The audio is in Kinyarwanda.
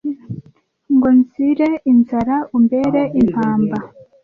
Ngo nzire inzara umbere impamba